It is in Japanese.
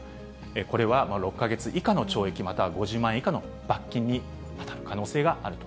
これは６か月以下の懲役または５０万円以下の罰金に当たる可能性があると。